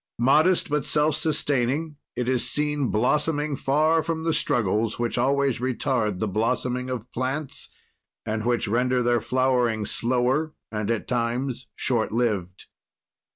Modest but self sustaining, it is seen blossoming far from the struggles which always retard the blossoming of plants and which render their flowering slower and, at times, short lived.